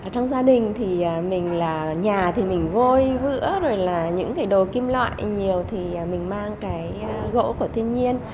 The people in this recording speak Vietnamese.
trong gia đình nhà mình vôi vữa những đồ kim loại nhiều thì mình mang gỗ của thiên nhiên